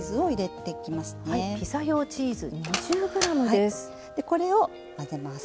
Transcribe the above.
でこれを混ぜます。